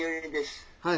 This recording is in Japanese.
「はい。